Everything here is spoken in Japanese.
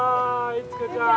いちかちゃん！